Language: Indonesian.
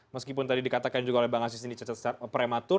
meskipun tadi dikatakan juga oleh bang aziz ini cacat prematur